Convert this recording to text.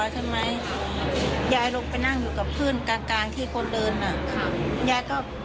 คุณผู้ชมไปฟังเสียงผู้รอดชีวิตกันหน่อยค่ะ